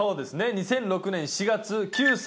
２００６年４月９歳。